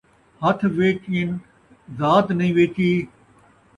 ہتھ ویچن ، ذات نئیں ویچی